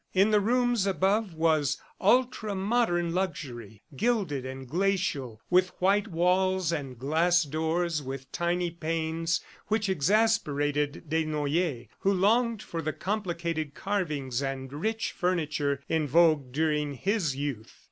In the rooms above was ultra modern luxury, gilded and glacial, with white walls and glass doors with tiny panes which exasperated Desnoyers, who longed for the complicated carvings and rich furniture in vogue during his youth.